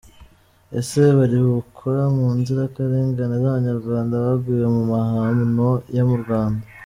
– Ese baribukwa munzirakarengane z’abanyarwanda baguye mu mahano yo mu Rwanda ?